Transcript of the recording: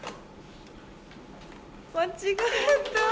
間違えた！